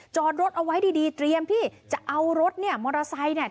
จอดรถเอาไว้ดีดีเตรียมที่จะเอารถเนี่ยมอเตอร์ไซค์เนี่ย